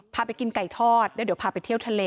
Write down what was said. พาไปกินไก่ทอดแล้วเดี๋ยวพาไปเที่ยวทะเล